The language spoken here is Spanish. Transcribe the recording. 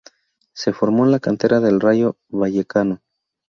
Se formó en la cantera del Rayo Vallecano.